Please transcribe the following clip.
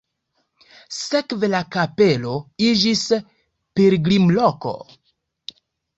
Sekve la kapelo iĝis pilgrimloko.